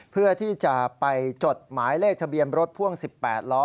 เพื่อที่จะไปจดหมายเลขทะเบียนรถพ่วง๑๘ล้อ